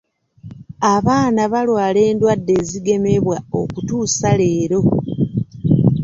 Abaana balwala endwadde ezigemebwa okutuusa leero.